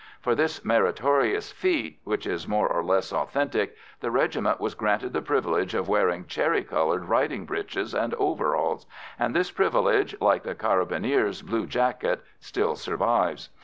For this meritorious feat, which is more or less authentic, the regiment was granted the privilege of wearing cherry coloured riding breeches and overalls, and this privilege, like the Carabiniers' blue jacket, still survives.